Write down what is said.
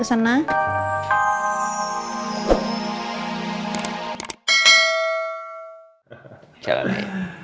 mau kesana main kesana